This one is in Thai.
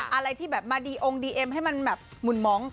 อะไรที่มาดีโอ้งดีเอ็มให้มันหมุนม้อง